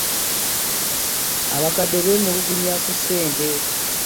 Abakaka beemulugunya ku ssente.